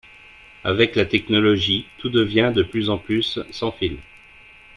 Avec la technologie tout devient de plus en plus sans fil